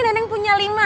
neneng punya lima